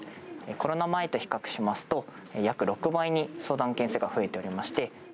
コロナ前と比較しますと、約６倍に相談件数が増えておりまして。